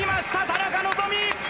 田中希実